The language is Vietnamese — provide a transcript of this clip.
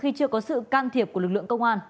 khi chưa có sự can thiệp của lực lượng công an